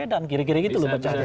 dan kira kira gitu